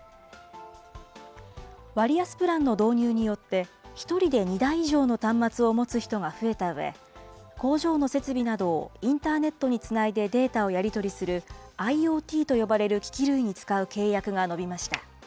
割安プランの導入によって、１人で２台以上の端末を持つ人が増えたうえ、工場の設備などをインターネットにつないでデータをやり取りするＩｏＴと呼ばれる機器類に使う契約が伸びました。